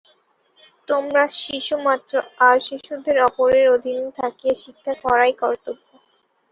তোমরা শিশুমাত্র, আর শিশুদের অপরের অধীনে থাকিয়া শিক্ষা করাই কর্তব্য।